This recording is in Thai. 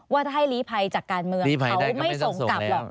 ว่าถ้าให้ลีภัยจากการเมืองเขาไม่ส่งกลับหรอก